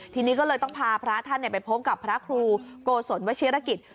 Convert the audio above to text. ทีนี้ก็เลยต้องพาพระท่านไปพบกับพระครูโกศลวชิรกิจ